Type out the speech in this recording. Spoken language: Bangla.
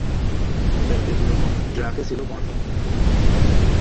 ট্রাকে ছিল কনডম।